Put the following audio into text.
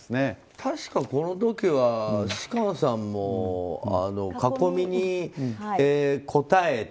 確かこの時は芝翫さんも囲みに応えて。